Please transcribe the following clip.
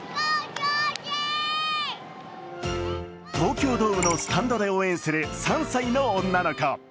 東京ドームのスタンドで応援する３歳の女の子。